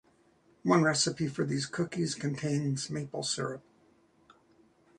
One recipe for these cookies contains maple syrup.